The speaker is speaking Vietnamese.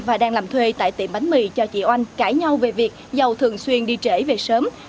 và đang làm thuê tại tiệm bánh mì cho chị oanh cãi nhau về việc giàu thường xuyên đi trễ về sớm